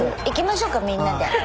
行きましょうかみんなで。